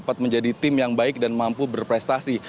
dapat menjadi tim yang baik dan mampu berprestasi